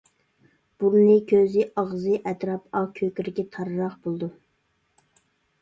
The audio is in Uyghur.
بۇرنى، كۆزى، ئاغزى ئەتراپى ئاق، كۆكرىكى تارراق بولىدۇ.